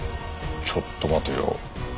ちょっと待てよ。